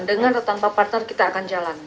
dengan tanpa partner kita akan jalan